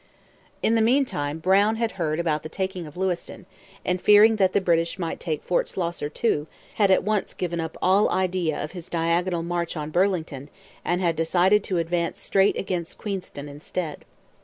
In the meantime Brown had heard about the taking of Lewiston, and, fearing that the British might take Fort Schlosser too, had at once given up all idea of his diagonal march on Burlington and had decided to advance straight against Queenston instead.